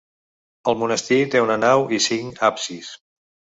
El monestir té una nau i cinc absis.